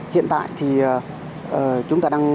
hiện tại thì chúng ta đang